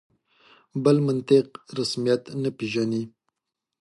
بل منطق رسمیت نه پېژني.